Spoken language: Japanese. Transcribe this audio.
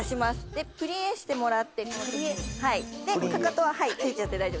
でプリエしてもらってかかとはついちゃって大丈夫です。